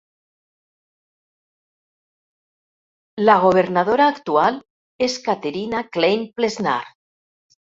La governadora actual és Caterina Klein Plesnar.